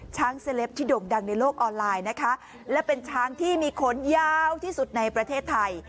เซลปที่โด่งดังในโลกออนไลน์นะคะและเป็นช้างที่มีขนยาวที่สุดในประเทศไทย